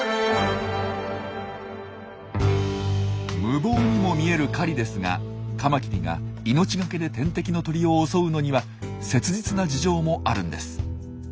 無謀にも見える狩りですがカマキリが命懸けで天敵の鳥を襲うのには切実な事情もあるんです。